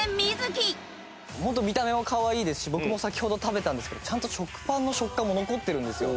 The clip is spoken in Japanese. ホント見た目もかわいいですし僕も先ほど食べたんですけどちゃんと食パンの食感も残ってるんですよ。